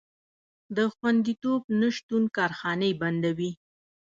د خوندیتوب نشتون کارخانې بندوي.